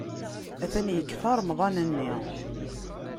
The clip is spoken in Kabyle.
Atan yekfa Remḍan-nni!